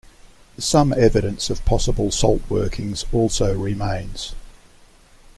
Some evidence of possible salt workings also remains.